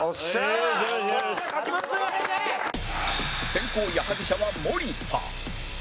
先攻矢作舎は森田